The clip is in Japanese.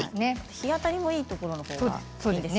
日当たりのいいところのほうがいいですね。